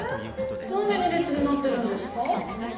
なんで２れつになってるんですか？